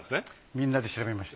みんなで調べました。